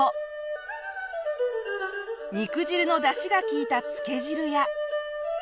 肉汁のだしが効いたつけ汁や。